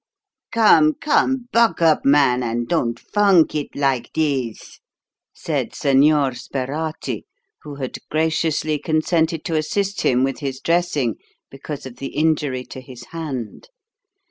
"Come, come, buck up, man, and don't funk it like this," said Señor Sperati, who had graciously consented to assist him with his dressing because of the injury to his hand.